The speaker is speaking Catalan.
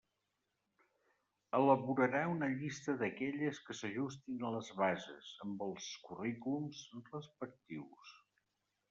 Elaborarà una llista d'aquelles que s'ajustin a les bases, amb els currículums respectius.